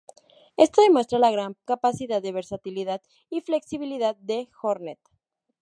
Esto demuestra la gran capacidad de versatilidad y flexibilidad del Hornet.